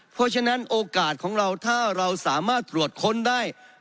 เพราะฉะนั้นโอกาสของเราถ้าเราสามารถตรวจค้นได้